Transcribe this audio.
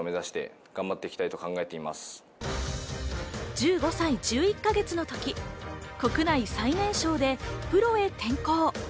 １５歳１１か月の時、国内最年少でプロへ転向。